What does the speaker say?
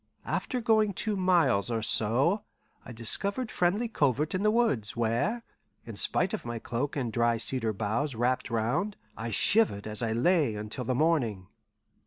After going two miles or so, I discovered friendly covert in the woods, where, in spite of my cloak and dry cedar boughs wrapped round, I shivered as I lay until the morning.